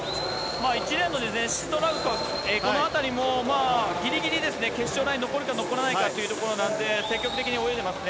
１レーンのシドラウスカスも、ぎりぎり決勝ラインに残るか残らないかというところなんで、積極的に泳いでますね。